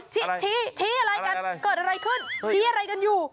ชี้ชี้อะไรกันเกิดอะไรขึ้นชี้อะไรกันอยู่